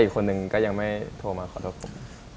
คนหนึ่งก็ยังไม่โทรมาขอโทษผม